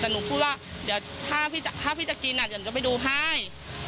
แต่หนูพูดว่าถ้าพี่จะกินเดี๋ยวหนูจะไปดูให้